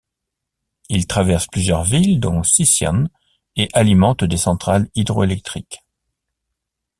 Il traverse plusieurs villes, dont Sisian, et alimente des centrales hydroélectriques.